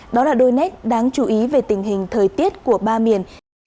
đó là đôi nét đáng chú ý về tình hình thời tiết của ba miền